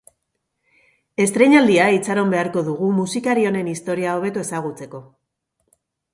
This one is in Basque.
Estreinaldia itxaron beharko dugu musikari honen historia hobeto ezagutzeko.